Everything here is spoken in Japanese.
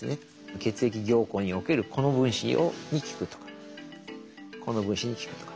血液凝固におけるこの分子に効くとかこの分子に効くとか。